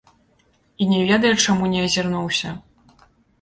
І не ведае, чаму не азірнуўся.